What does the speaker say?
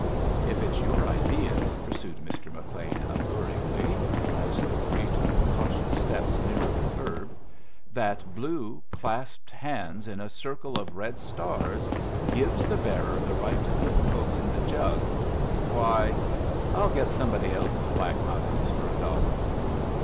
"If it's your idea," pursued Mr. McLean, alluringly, as the three took cautious steps nearer the curb, "that blue, clasped hands in a circle of red stars gives the bearer the right to put folks in the jug why, I'll get somebody else to black my boots for a dollar."